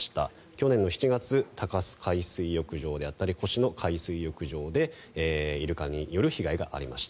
去年の７月鷹巣海水浴場であったり越廼海水浴場でイルカによる被害がありました。